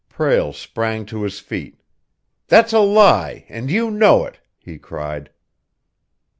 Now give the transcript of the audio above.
Prale sprang to his feet. "That's a lie, and you know it!" he cried.